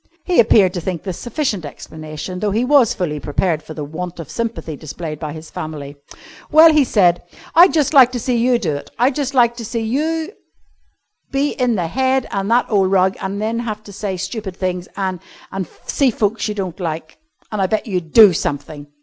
He appeared to think this sufficient explanation, though he was fully prepared for the want of sympathy displayed by his family. "Well," he said firmly, "I'd just like to see you do it, I'd just like to see you be in the head and that ole rug an' have to say stupid things an' an' see folks you don't like, an' I bet you'd do something."